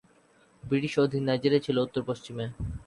ব্রিটিশ-অধীন Nigeria ছিল উত্তর-পশ্চিমে।